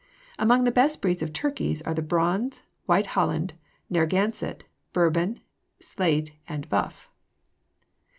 Among the best breeds of turkeys are the Bronze, White Holland, Narragansett, Bourbon, Slate, and Buff.